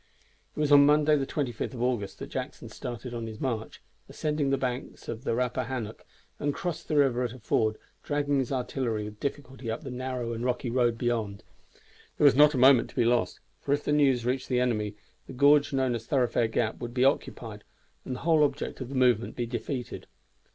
It was on Monday the 25th of August that Jackson started on his march, ascending the banks of the Rappahannock, and crossed the river at a ford, dragging his artillery with difficulty up the narrow and rocky road beyond. There was not a moment to be lost, for if the news reached the enemy the gorge known as Thoroughfare Gap would be occupied, and the whole object of the movement be defeated.